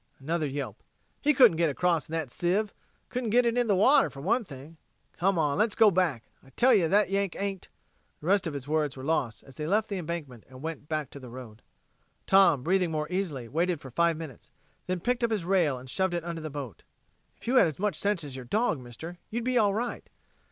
Another yelp. "He couldn't get across in that sieve. Couldn't get it into the water, for one thing. Come on, let's go back. I tell ye that Yank ain't...." The rest of his words were lost as they left the embankment and went back to the road. Tom, breathing more easily, waited for five minutes, then picked up his rail and shoved it under the boat. "If you had as much sense as your dog, mister, you'd be all right."